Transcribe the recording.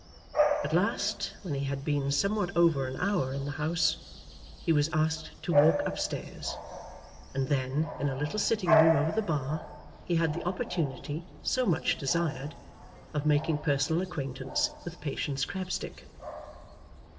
At last, when he had been somewhat over an hour in the house, he was asked to walk up stairs, and then, in a little sitting room over the bar, he had the opportunity, so much desired, of making personal acquaintance with Patience Crabstick.